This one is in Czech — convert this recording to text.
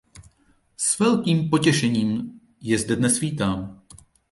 S velkým potěšením je zde dnes vítám.